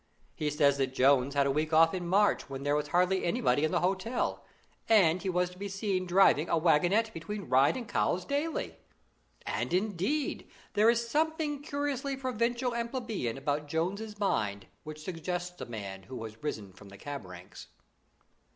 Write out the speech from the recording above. He says that Jones had a week off in March when there was hardly anybody in the hotel, and he was to be seen driving a wagonette between Ryde and Cowes daily. And, indeed, there is something curiously provincial and plebeian about Jones's mind which suggests a man who has risen from the cab ranks.